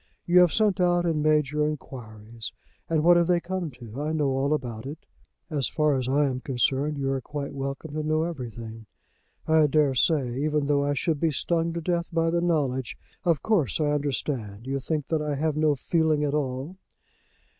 You have sent out and made your inquiries, and what have they come to? I know all about it." "As far as I am concerned you are quite welcome to know everything." "I dare say; even though I should be stung to death by the knowledge. Of course I understand. You think that I have no feeling at all."